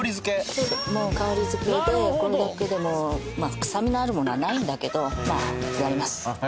そうもう香り付けでこれだけでもまあ臭みのあるものはないんだけどまあやります